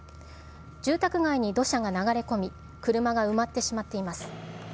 住宅街に土砂が流れ込み、車が埋まってしまっています。